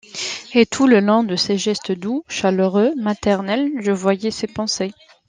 Et tout le long de ces gestes doux, chaleureux, maternels, je voyais ses pensées.